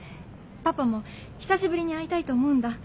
パパも久しぶりに会いたいと思うんだ。